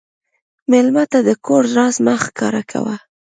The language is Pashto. مېلمه ته د کور راز مه ښکاره کوه.